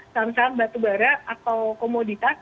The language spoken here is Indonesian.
saham saham batubara atau komoditas